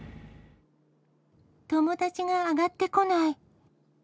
友達が上がってこない。